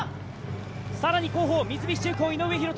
更に後方、三菱重工の井上大仁。